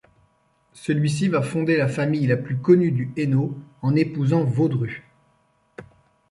Celui-ci va fonder la famille la plus connue du Hainaut en épousant Waudru.